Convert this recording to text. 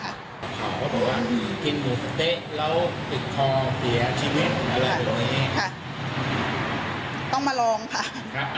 เขาก็บอกว่ากินหมูสะเต๊ะแล้วปิดคอเสียชีวิตอะไรแบบนี้ค่ะต้องมาลองค่ะครับ